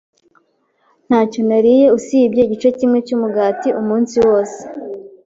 Ntacyo nariye usibye igice kimwe cyumugati umunsi wose.